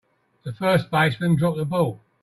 The first baseman dropped the ball.